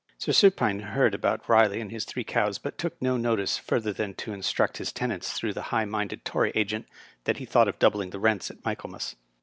Sir Supine heard about Riley and his three cows, but took no notice further than to instruct his tenants through the high minded Tory agent that he thought of doubling the rents at Michaelmas.